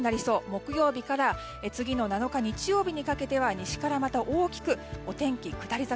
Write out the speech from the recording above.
木曜日から次の７日、日曜日にかけては西からまた大きくお天気が下り坂。